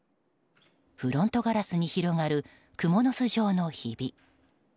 フロントガラスに広がるクモの巣状のヒビ。